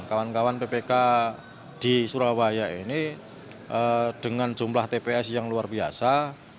kawan kawan ppk di surabaya ini dengan jumlah tps yang luar biasa